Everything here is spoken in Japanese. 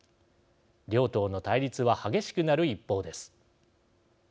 両党の対立は激しくなる一方です。